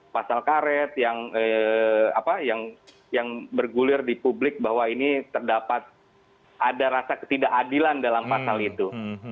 pasal karet yang bergulir di publik bahwa ini terdapat ada rasa ketidakadilan dalam pasal itu